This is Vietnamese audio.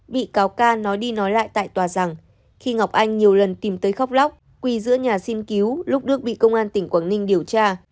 bị cáo ca nói đi nói lại tại tòa rằng khi ngọc anh nhiều lần tìm tới khóc lóc quy giữa nhà xin cứu lúc đức bị công an tỉnh quảng ninh điều tra